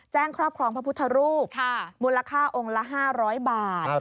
ครอบครองพระพุทธรูปมูลค่าองค์ละ๕๐๐บาท